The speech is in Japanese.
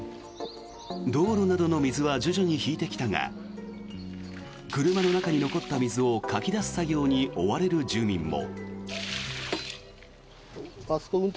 道路などの水は徐々に引いてきたが車の中に残った水をかき出す作業に追われる住民も。